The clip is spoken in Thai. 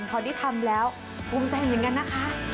เพราะที่ทำแล้วปรุงใจเหมือนกันนะคะ